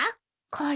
これ。